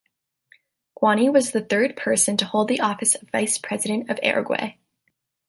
Guani was the third person to hold the office of Vice President of Uruguay.